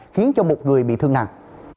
khiến một người bị thương nặng